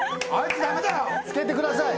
つけてください。